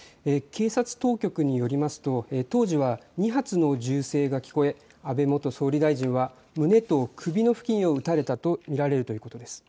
警察当局によりますと当時は２発の銃声が聞こえ安倍元総理大臣は胸と首の付近を撃たれたと見られるということです。